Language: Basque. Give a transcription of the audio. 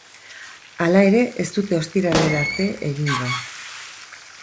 Hala ere, ez dute ostiralera arte egingo.